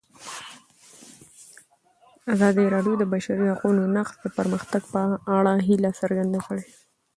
ازادي راډیو د د بشري حقونو نقض د پرمختګ په اړه هیله څرګنده کړې.